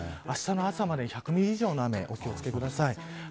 あしたの朝までに１００ミリ以上の雨に気を付けください。